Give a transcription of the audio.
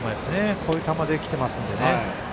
こういう球できてますからね。